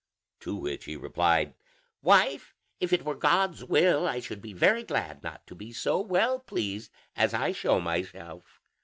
To which he replied, "Wife, if it were God's will, I should be very glad not to be so well pleased as I show myself."